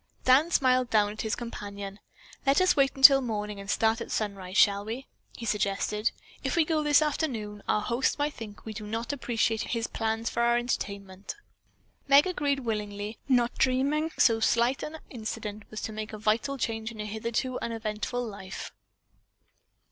Dan smiled down at his companion. "Let us wait until morning and start at sunrise, shall we?" he suggested. "If we go this afternoon, our host might think that we do not appreciate his plans for our entertainment." Meg agreed willingly, little dreaming that so slight an incident was to make a vital change in her hitherto uneventful life.